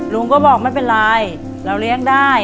ลุงก็บอกไม่เป็นไรเราเลี้ยงได้